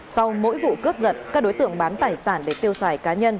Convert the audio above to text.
sau mỗi vụ cướp giật các đối tượng bán tài sản để tiêu xài cá nhân